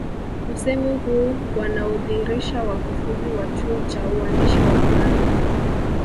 Usemi huu wanaudhirisha wakufunzi wa chuo cha uandishi wa habari